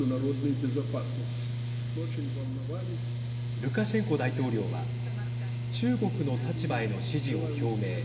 ルカシェンコ大統領は中国の立場への支持を表明。